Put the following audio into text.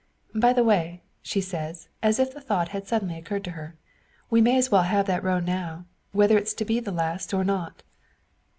"By the way," she says, as if the thought had suddenly occurred to her, "we may as well have that row now whether it's to be the last or not."